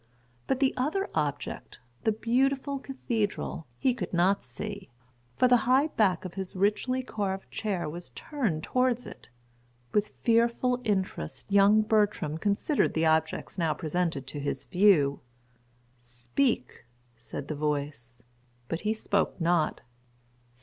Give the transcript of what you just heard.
But the other object, the beautiful cathedral, he could not see; for the high back of his richly carved chair was turned towards it. With fearful interest young Bertram considered the objects now presented to his view. "Speak," said the voice; but he spoke not.